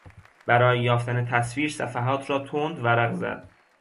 برای یافتن تصویر، صفحات را تند ورق زد.